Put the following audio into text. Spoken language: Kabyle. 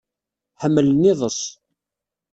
Ḥmmlen iḍes.